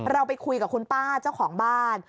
เราไปคุยกับคุณป้าเจ้าของบ้าน